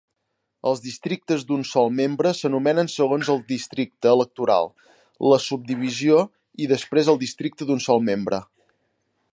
Els districtes d'un sol membre s'anomenen segons el districte electoral, la subdivisió i després el districte d'un sol membre.